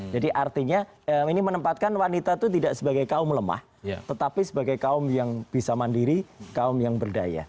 jadi artinya ini menempatkan wanita itu tidak sebagai kaum lemah tetapi sebagai kaum yang bisa mandiri kaum yang berdaya